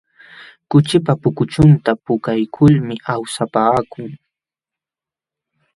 Kuchipa pukuchunta puukaykulmi awsapaakuu.